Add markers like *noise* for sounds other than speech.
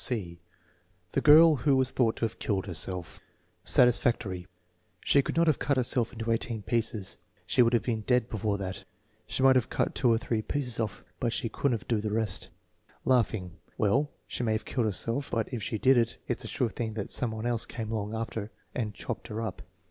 9 " (c) The girl who was thought to have failed herself Satisfactory. "She could not have cut herself into eighteen pieces." "She would have been dead before that." "She might have cut two or three pieces off, but she could n't do the rest*" *laughs* "Well, she may have killed herself; but if she did it's a sure thing that some one else came along after and chopped her up."